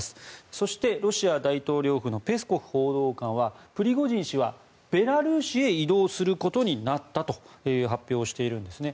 そして、ロシア大統領府のペスコフ報道官はプリゴジン氏はベラルーシへ移動することになったと発表しているんですね。